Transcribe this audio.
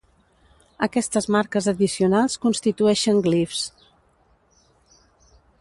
Aquestes marques addicionals constitueixen glifs.